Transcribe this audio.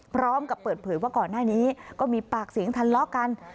พร้อมกับเปิดเผยว่าก่อนหน้านี้ก็มีปากเสียงทะเลาะกัน